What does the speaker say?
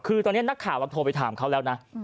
คือตอนนี้นักข่าวเราโทรไปถามเขาแล้วนะ